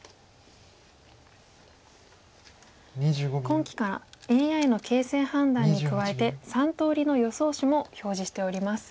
今期からＡＩの形勢判断に加えて３通りの予想手も表示しております。